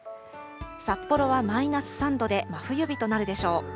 札幌はマイナス３度で、真冬日となるでしょう。